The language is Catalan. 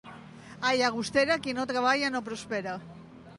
A Llagostera qui no treballa no prospera.